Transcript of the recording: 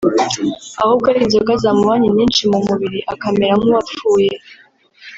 ahubwo ari inzoga zamubanye nyinshi mu mubiri akamera nk’uwapfuye